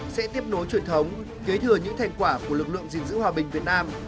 sẽ tiếp nối truyền thống kế thừa những thành quả của lực lượng gìn giữ hòa bình việt nam